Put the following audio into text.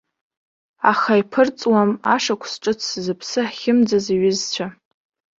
Аха иԥырҵуам ашықәс ҿыц зыԥсы ахьымӡаз иҩызцәа.